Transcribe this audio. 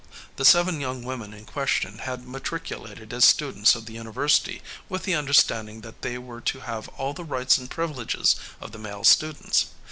The seven young women in question had matriculated as students of the university with the understanding that they were to have all the rights and privileges of the male students.